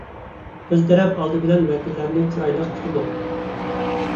قىز تەرەپ ئالدى بىلەن ۋەكىللەرنى چىرايلىق كۈتىدۇ.